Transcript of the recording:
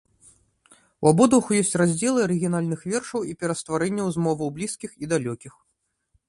У абодвух ёсць раздзелы арыгінальных вершаў і перастварэнняў з моваў блізкіх і далёкіх.